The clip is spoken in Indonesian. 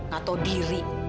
gak tau diri